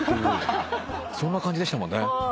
そんな感じでしたもんね。